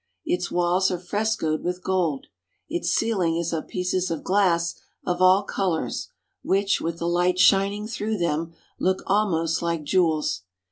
Its walls are frescoed with gold. Its ceiling is of pieces of glass of all colors, which, with the light shining through them, look almost like jewels.